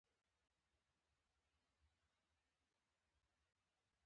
دلته هم د پرانیستو بنسټونو پر وړاندې ګواښونه پای ته نه وو رسېدلي.